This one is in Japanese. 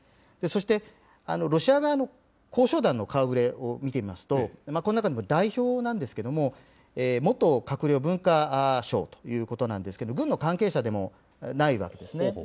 そして、ロシア側の交渉団の顔ぶれを見てみますと、この中にも、代表なんですけれども、元閣僚文化相ということなんですけれども、軍の関係者でもないわけですね。